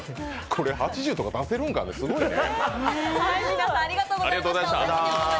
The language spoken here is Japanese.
これ、８０とか出せるんかね、すごいね。